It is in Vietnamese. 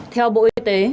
theo bộ y tế